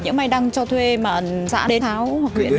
những ai đang cho thuê mà xã đến tháo hoặc chuyển đi